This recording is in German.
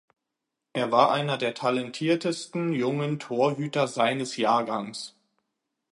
Er war einer der talentiertesten jungen Torhüter seines Jahrgangs.